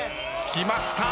きました